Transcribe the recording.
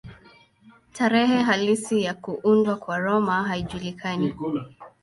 Tarehe halisi ya kuundwa kwa Roma haijulikani.